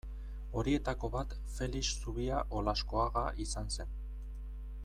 Horietako bat Felix Zubia Olaskoaga izan zen.